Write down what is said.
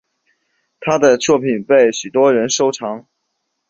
她的作品被许多人收藏。